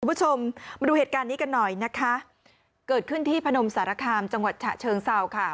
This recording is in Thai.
คุณผู้ชมมาดูเหตุการณ์นี้กันหน่อยนะคะเกิดขึ้นที่พนมสารคามจังหวัดฉะเชิงเศร้าค่ะ